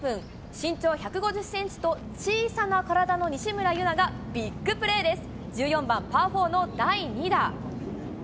身長１５０センチと、小さな体の西村優菜がビッグプレーです。